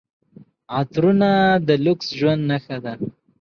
عطرونه د لوکس ژوند نښه ده.